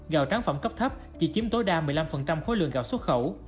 gạo tráng phẩm cấp thấp chỉ chiếm tối đa một mươi năm khối lượng gạo xuất khẩu